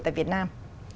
tại việt nam